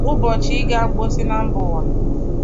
Ụbọchị ịga mposi na mba ụwa